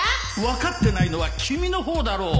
分かってないのは君の方だろう！